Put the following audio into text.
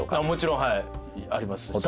もちろんはいありますし。